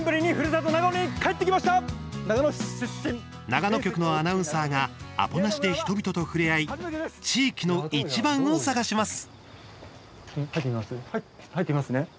長野局のアナウンサーがアポなしで人々と触れ合い地域のイチバンを探します。